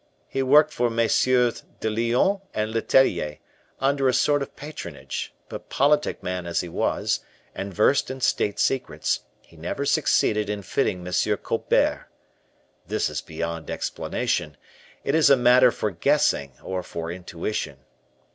He worked for MM. de Lyonne and Letellier, under a sort of patronage; but politic man as he was, and versed in state secrets, he never succeeded in fitting M. Colbert. This is beyond explanation; it is a matter for guessing or for intuition.